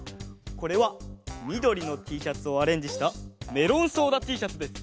これはみどりのＴシャツをアレンジしたメロンソーダＴシャツです！